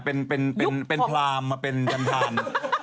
เป็นเป็นพรามเป็นจรรทาง